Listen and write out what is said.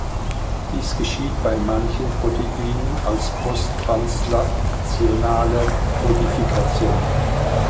Dies geschieht bei manchen Proteinen als posttranslationale Modifikation.